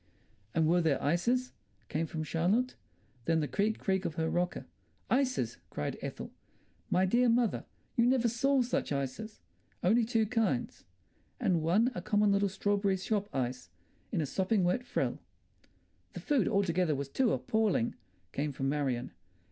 "And were there ices?" came from Charlotte. Then the creak, creak of her rocker. "Ices!" cried Ethel. "My dear mother, you never saw such ices. Only two kinds. And one a common little strawberry shop ice, in a sopping wet frill." "The food altogether was too appalling," came from Marion.